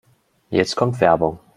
Jetzt kommt Werbung.